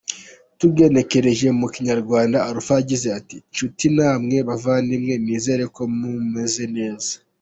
Tugenekereje mu Kinyarwanda Alpha yagize ati “Nshuti namwe bavandimwe, nizere ko mumeze neza.